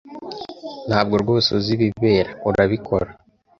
Ntabwo rwose uzi ibibera, urabikora?